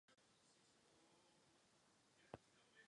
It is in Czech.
Leží v okrese Ústí nad Orlicí a má obyvatel.